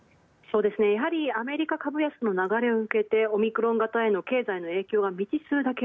やはりアメリカ株への流れを受け、オミクロン形への経済の影響は未知数です。